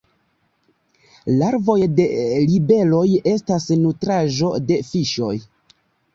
Larvoj de libeloj estas nutraĵo de fiŝoj.